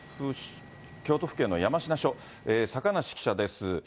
京都府警の山科署、坂梨記者です。